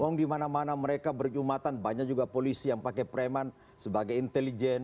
woh di mana mana mereka berjumatan banyak juga polisi yang pakai preman sebagai intelijen